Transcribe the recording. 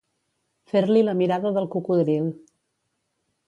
Fer-li la mirada del cocodril.